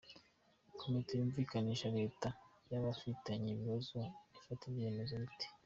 Komite yumvikanisha Leta n’abafitanye ibibazo ifata ibyemezo ite?.